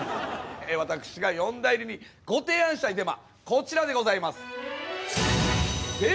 私が四大入りにご提案したいデマこちらでございます。